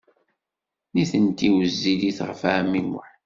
Nitenti wezzilit ɣef ɛemmi Muḥ.